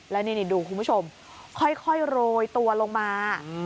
แล้วนี่ดูคุณผู้ชมค่อยโรยตัวลงมา